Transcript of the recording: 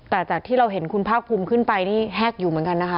แต่จากที่เราเห็นคุณภาคภูมิขึ้นไปนี่แฮกอยู่เหมือนกันนะคะ